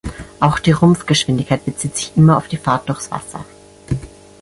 Auch die Rumpfgeschwindigkeit bezieht sich immer auf die Fahrt durchs Wasser.